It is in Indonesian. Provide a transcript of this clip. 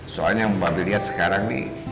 soalnya yang be lihat sekarang nih